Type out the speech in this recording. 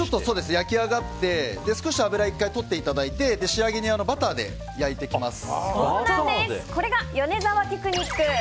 焼き上がって少し油、１回とっていただいて仕上げにバターで焼いていきます。